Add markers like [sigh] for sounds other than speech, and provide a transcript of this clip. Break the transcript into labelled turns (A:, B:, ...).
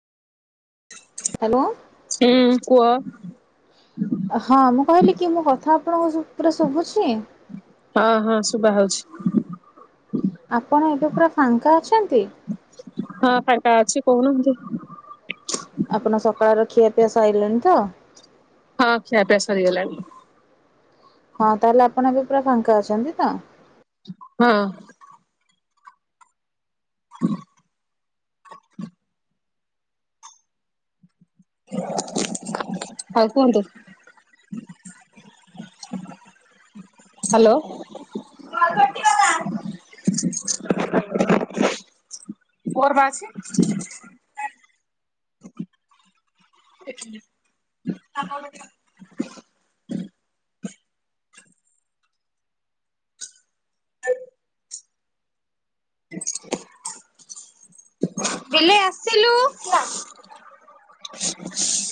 A: [inaudible]
B: [inaudible]
A: ହୁଁ କୁହ?
B: ହଁ ମୁଁ କହିଲି କି ମୁଁ କଥା ଆପଣଙ୍କୁ ପୁରା ଶୁଭୁଛି।
A: ହଁ ହଁ ଶୁଭା ହଉଛି।
B: ଆପଣ ଏବେ ପୁରା ଫାଙ୍କା ଅଛନ୍ତି?
A: ହଁ ଫାଙ୍କା ଅଛି କହୁନାହାନ୍ତି?
B: ଆପଣ ସକାଳର ଖିଆପିଆ ସାଇଲେଣି ତ?
A: ହଁ ଖିଆପିଆ ସରିଗଲାଣି।
B: ହଁ ତାହେଲେ ଆପଣ ଏବେ ପୁରା ଫାଙ୍କା ଅଛନ୍ତି ତ?
A: ହଁ। ହୁଁ [inaudible] ଆଉ କୁହନ୍ତୁ? ହ୍ୟାଲୋ। ମୋର ବା ଅଛି। [inaudible] [unintelligible] ବିଲେଇ ଆସିଲୁ?